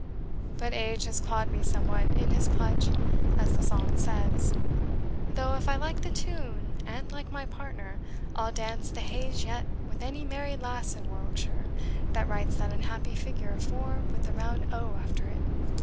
But age has clawed me somewhat in his clutch, as the song says; though, if I like the tune and like my partner, I'll dance the hays yet with any merry lass in Warwickshire that writes that unhappy figure four with a round O after it."